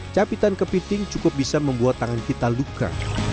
capitan kepiting cukup bisa membuat tangan kita luka